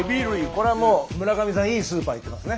これはもう村上さんいいスーパー行ってますね。